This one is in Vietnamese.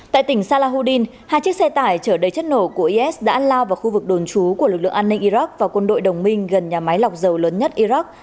tại tỉnh salahodin hai chiếc xe tải chở đầy chất nổ của is đã lao vào khu vực đồn trú của lực lượng an ninh iraq và quân đội đồng minh gần nhà máy lọc dầu lớn nhất iraq